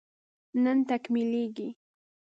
نن تکميلېږي